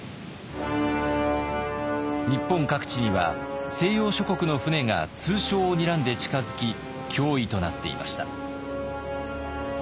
日本各地には西洋諸国の船が通商をにらんで近づき脅威となっていました。